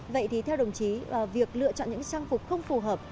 vậy thì theo đồng chí việc lựa chọn những trang phục không phù hợp